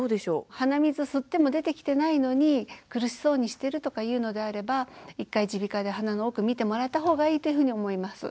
鼻水吸っても出てきてないのに苦しそうにしてるとかいうのであれば一回耳鼻科で鼻の奥診てもらった方がいいというふうに思います。